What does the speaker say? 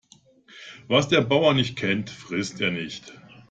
Was der Bauer nicht kennt, frisst er nicht.